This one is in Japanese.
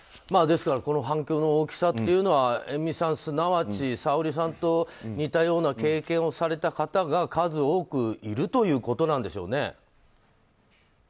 この反響の大きさというのは遠見さん、すなわちＳａｏｒｉさんと似たような経験をされた方が数多くいるということなんでしょうね。